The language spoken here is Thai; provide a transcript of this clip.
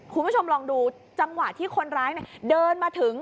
คุณผู้ชมลองดูจังหวะที่คนร้ายเดินมาถึง